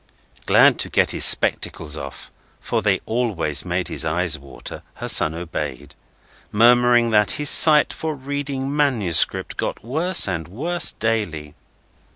Glad to get his spectacles off (for they always made his eyes water), her son obeyed: murmuring that his sight for reading manuscript got worse and worse daily.